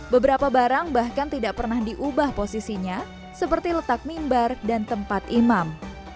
beberapa barang bahkan tidak pernah diubah posisinya seperti letak mimbar dan tempat imam